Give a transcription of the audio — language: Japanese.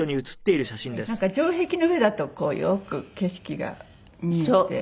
なんか城壁の上だとこうよく景色が見えて。